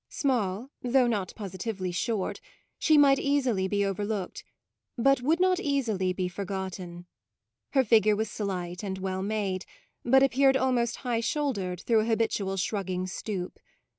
Small, though not positively short, she might easily be overlooked, but would not easily be forgotten. Her figure was slight and well made, but appeared almost high shouldered through a habitual shrugging stoop.